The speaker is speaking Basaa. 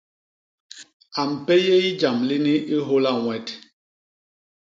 A mpéyéy jam lini i hôla Ñwet.